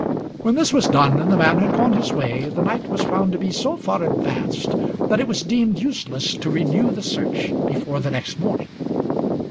When this was done, and the man had gone his way, the night was found to be so far advanced that it was deemed useless to renew the search before the next morning.